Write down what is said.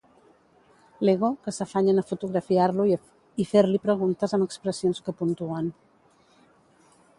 L'Ego, que s'afanyen a fotografiar-lo i fer-li preguntes amb expressions que puntuen.